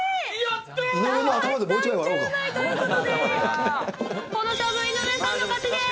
９枚ということで、この勝負、井上さんの勝ちです。